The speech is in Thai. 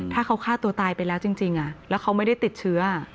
ถ้าเขาฆ่าตัวตายไปแล้วจริงแล้วเขาไม่ได้ติดเชื้อ